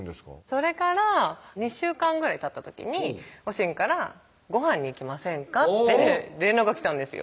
それから２週間ぐらいたった時におしんから「ごはんに行きませんか？」って連絡が来たんですよ